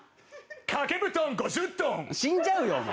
「掛け布団５０トン」死んじゃうよお前。